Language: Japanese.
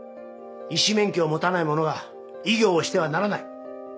医師免許を持たない者が医業をしてはならない。